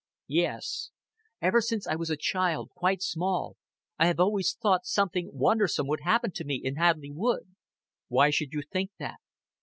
"Yes." "Ever since I was a child quite small I hev always thought something wondersome would happen to me in Hadleigh Wood." "Why should you think that?"